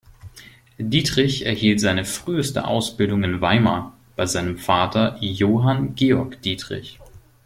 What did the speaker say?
Dietrich erhielt seine früheste Ausbildung in Weimar bei seinem Vater Johann Georg Dietrich.